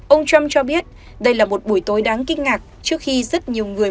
ông trump cho biết đây là một buổi tối đáng kinh ngạc trước khi rất nhiều người